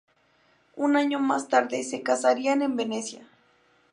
Un año más tarde se casarían en Venecia.